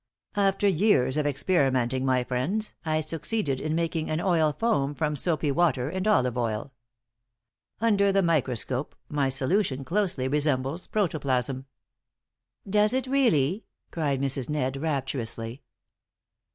After years of experimenting, my friends, I succeeded in making an oil foam from soapy water and olive oil. Under the microscope my solution closely resembles protoplasm." "Does it really?" cried Mrs. "Ned," rapturously.